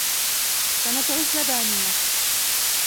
سَنَدْعُ الزَّبَانِيَةَ